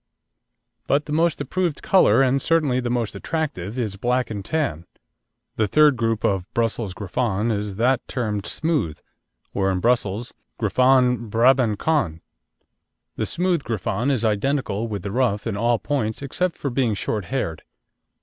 But the most approved colour, and certainly the most attractive, is black and tan. The third group of Brussels Griffons is that termed "smooth," or, in Brussels, Griffons Brabancons. The smooth Griffon is identical with the rough in all points except for being short haired.